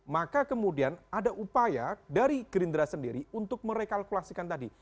maka kemudian ada upaya dari gerindra sendiri untuk merekalkulasikan tadi